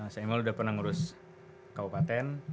saya emang udah pernah ngurus kabupaten